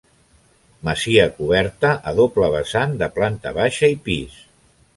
Masia coberta a doble vessant, de planta baixa i pis.